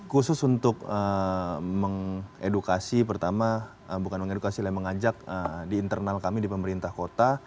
khusus untuk mengajak di internal kami di pemerintah kota